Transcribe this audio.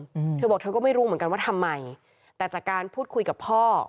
อืมเธอบอกเธอก็ไม่รู้เหมือนกันว่าทำไมแต่จากการพูดคุยกับพ่อ